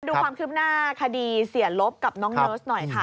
ดูความคืบหน้าคดีเสียลบกับน้องเนิร์สหน่อยค่ะ